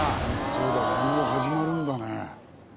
そうだねもう始まるんだね。